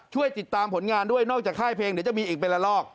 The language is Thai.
ช่วยติดตามผลงานด้วยนอกจากค่ายเพลงเดี๋ยวจะมีอีกเป็นละลอก